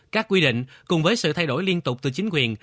các quy định cùng với sự thay đổi liên tục từ chính quyền